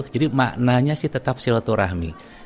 maknanya sih tetap silaturahmi